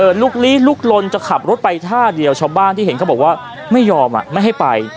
ลุกลี้ลุกลนจะขับรถไปท่าเดียวชาวบ้านที่เห็นเขาบอกว่าไม่ยอมอ่ะไม่ให้ไป